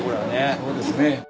そうですね。